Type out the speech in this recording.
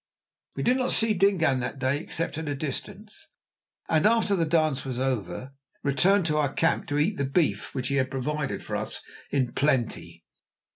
We did not see Dingaan that day, except at a distance, and after the dance was over returned to our camp to eat the beef which he had provided for us in plenty.